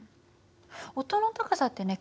音の高さってね